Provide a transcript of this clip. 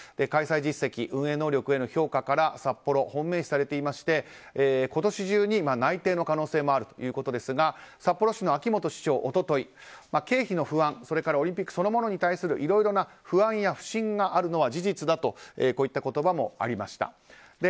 開催実績、運営能力への評価から札幌が本命視されていまして今年中に内定の可能性もあるということですが札幌市の秋元市長、一昨日経費の不安オリンピックそのものに対するいろいろな不安や不信があるのは事実だとこういった言葉もありました。